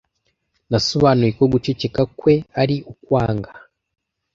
Nasobanuye ko guceceka kwe ari ukwanga.